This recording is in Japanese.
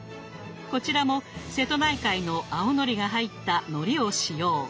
こちらも瀬戸内海の青のりが入ったのりを使用。